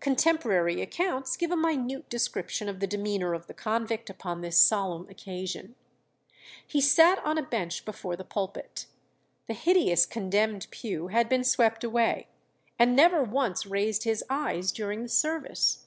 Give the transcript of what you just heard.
Contemporary accounts give a minute description of the demeanour of the convict upon this solemn occasion. He sat on a bench before the pulpit, the hideous condemned pew had been swept away, and never once raised his eyes during the service.